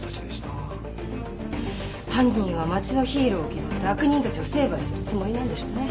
犯人は町のヒーローを気取って悪人たちを成敗してるつもりなんでしょうね。